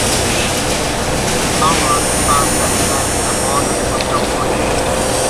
Howarth served to enact the modern postal voting system.